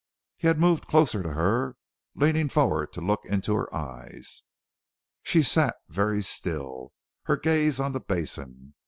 He had moved closer to her, leaning forward to look into her eyes. She sat very still, her gaze on the basin.